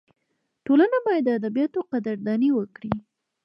ټولنه باید د ادیبانو قدرداني وکړي.